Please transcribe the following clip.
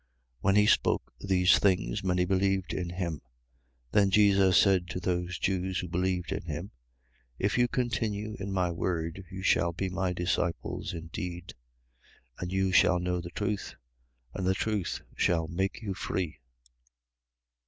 8:30. When he spoke these things, many believed in him. 8:31. Then Jesus said to those Jews who believed him: If you continue in my word, you shall be my disciples indeed. 8:32. And you shall know the truth: and the truth shall make you free.